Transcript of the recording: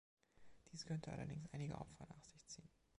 Dies könnte allerdings einige Opfer nach sich ziehen.